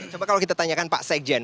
coba kalau kita tanyakan pak sekjen